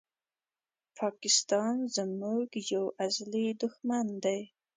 پاکستان زموږ یو ازلې دښمن دي